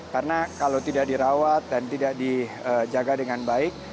karena kalau tidak dirawat dan tidak dijaga dengan baik